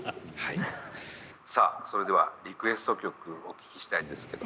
さあ、それではリクエスト曲お聞きしたいんですけど。